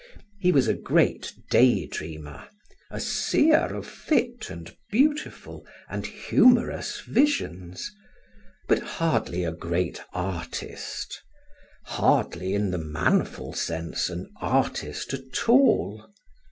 He was a great day dreamer, a seer of fit and beautiful and humorous visions, but hardly a great artist; hardly, in the manful sense, an artist at all.